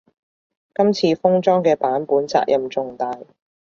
今次封裝嘅版本責任重大